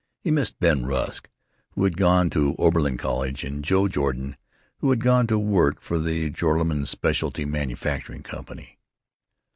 He missed Ben Rusk, who had gone to Oberlin College, and Joe Jordan, who had gone to work for the Joralemon Specialty Manufacturing Company.